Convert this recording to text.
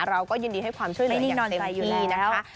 เราก็ยินดีให้ความช่วยเหลืออย่างเต็มอยู่ดีนะคะ